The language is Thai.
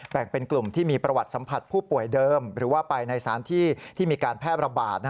แบ่งเป็นกลุ่มที่มีประวัติสัมผัสผู้ป่วยเดิมหรือว่าไปในสถานที่ที่มีการแพร่ระบาด